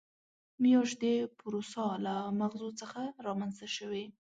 میاشت د پوروسا له مغزو څخه رامنځته شوې.